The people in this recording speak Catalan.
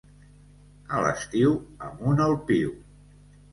A l'estiu, amunt el piu.